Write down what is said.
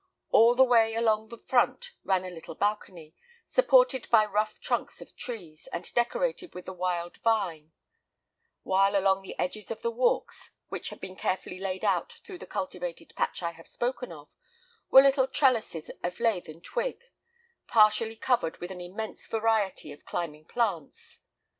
All the way along the front ran a little balcony, supported by rough trunks of trees, and decorated with the wild vine; while, along the edges of the walks, which had been carefully laid out through the cultivated patch I have spoken of, were little trellises of lath and twig, partially covered with an immense variety of climbing plants.